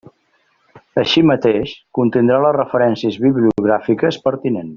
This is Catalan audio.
Així mateix, contindrà les referències bibliogràfiques pertinents.